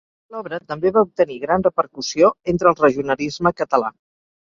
L'obra també va obtenir gran repercussió entre el regionalisme català.